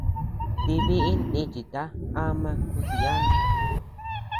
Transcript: Ti biʼin nichita ama kudiana.